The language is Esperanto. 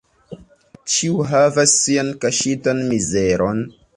Ĉiu havas sian kaŝitan mizeron.